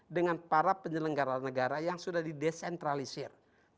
dengan para penyelenggara negara yang sudah didesentralisir